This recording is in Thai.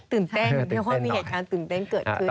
ตื่นเต้นไม่ค่อยมีเหตุการณ์ตื่นเต้นเกิดขึ้น